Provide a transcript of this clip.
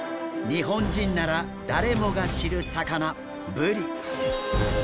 日本人なら誰もが知る魚ブリ。